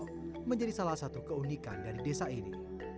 ini menjadi salah satu keunikan dari desa ini